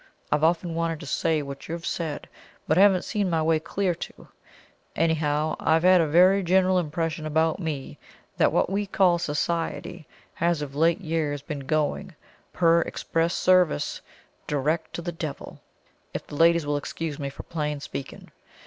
I've often wanted to say what you've said, but haven't seen my way clear to it. Anyhow, I've had a very general impression about me that what we call Society has of late years been going, per express service, direct to the devil if the ladies will excuse me for plain speaking.